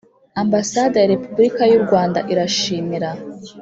«ambasade ya repubulika y'u rwanda irashimira